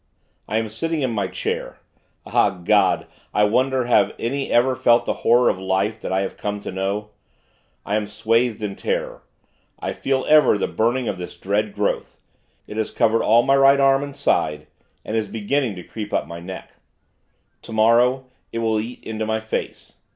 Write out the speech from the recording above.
I am sitting in my chair. Ah, God! I wonder have any ever felt the horror of life that I have come to know? I am swathed in terror. I feel ever the burning of this dread growth. It has covered all my right arm and side, and is beginning to creep up my neck. Tomorrow, it will eat into my face.